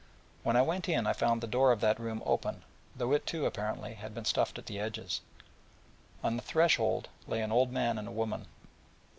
When I went in I found the door of that room open, though it, too, apparently, had been stuffed at the edges; and on the threshold an old man and woman lay low.